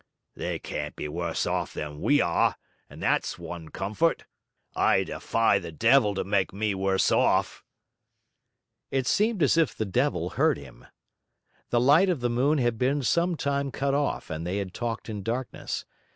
'They can't be worse off than we are, and that's one comfort,' returned the clerk. 'I defy the devil to make me worse off.' It seemed as if the devil heard him. The light of the moon had been some time cut off and they had talked in darkness.